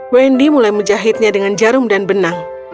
wendy mulai menjahitnya dengan jarum dan benang